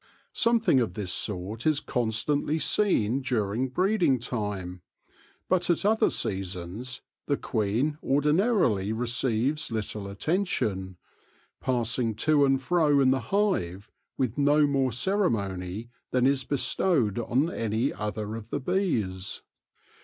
Something of this sort is constantly seen during breeding time, but at other seasons the queen ordinarily receives little attention, passing to and fro in the hive with no more ceremony than is bestowed on any other of the bees.